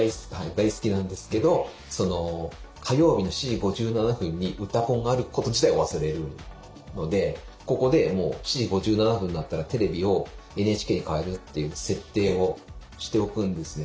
大好きなんですけど火曜日の７時５７分に「うたコン」があること自体忘れるのでここでもう７時５７分になったらテレビをＮＨＫに替えるっていう設定をしておくんですよ。